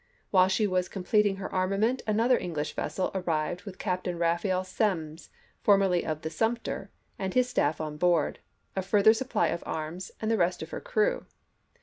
While she was completing her armament another English vessel arrived with Captain Raphael Semmes, formerly of the Sumter, and his staff on board, a further sup ply of arms, and the rest of her crew.